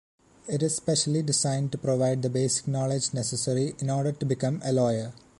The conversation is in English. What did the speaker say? It is specially designed to provide the basic knowledge necessary in order to become a lawyer.